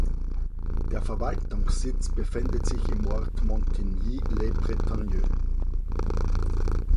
Der Verwaltungssitz befindet sich im Ort Montigny-le-Bretonneux.